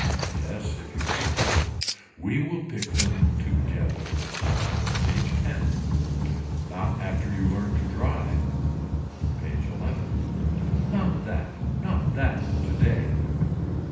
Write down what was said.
Yes if you pick them. We will pick them together. PAGE X. Not after you learn to drive. PAGE XI. Not that. Not that today.